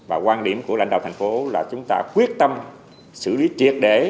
và quan điểm của lãnh đạo thành phố là chúng ta quyết tâm xử lý triệt để